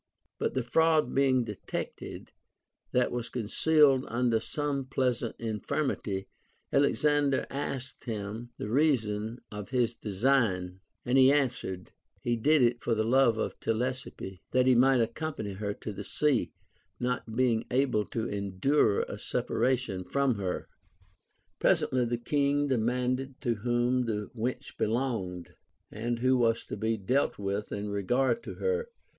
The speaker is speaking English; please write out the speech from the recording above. But the fraud being detected, that was concealed under some little present in firmity, Alexander asked him the reason of his design ; and he answered, he did it for the love of Telesippe, that he might accompany her to the sea, not being able to endure a separation from her. Presently the King demanded to whom the wench belonged, and who was to be dealt Λvith in regard to her.